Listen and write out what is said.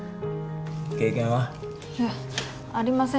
経験は？ありません。